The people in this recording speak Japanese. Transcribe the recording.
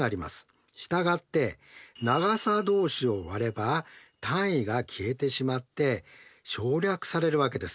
従って長さ同士を割れば単位が消えてしまって省略されるわけです。